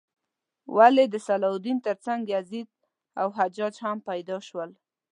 ولې د صلاح الدین تر څنګ یزید او حجاج هم پیدا شول؟